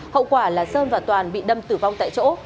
hậu quả là sơn và toàn bị đâm tử vong tại chỗ